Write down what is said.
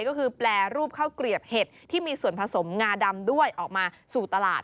ก็คือแปรรูปข้าวเกลียบเห็ดที่มีส่วนผสมงาดำด้วยออกมาสู่ตลาด